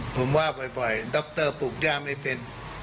ผมว่าบ่อยด็อคเตอร์ปลูกย่าไม่เป็น